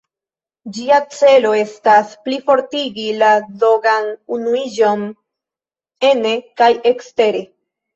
Ĝia celo estas plifortigi la dogan-unuiĝon ene kaj ekstere.